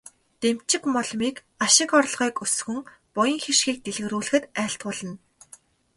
Дэмчигмоломыг ашиг орлогыг өсгөн, буян хишгийг дэлгэрүүлэхэд айлтгуулна.